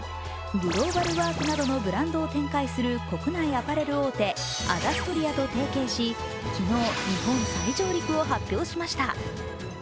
グローバルワークなどのブランドを展開する国内アパレル大手アダストリアと提携し昨日、日本再上陸を発表しました。